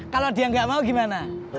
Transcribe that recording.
kalau dia nggak mau gimana